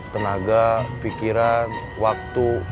tenaga pikiran waktu